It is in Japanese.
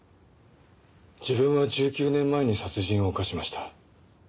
自分は１９年前に殺人を犯しました。